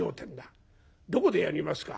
『どこでやりますか？